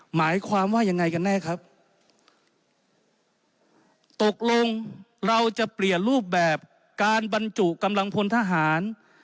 หมายความว่ายังไงกันแน่ครับตกลงเราจะเปลี่ยนรูปแบบการบรรจุกำลังพลทหาร